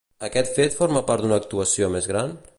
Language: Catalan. Aquest fet forma part d'una actuació més gran?